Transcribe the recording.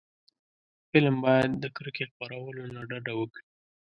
فلم باید د کرکې خپرولو نه ډډه وکړي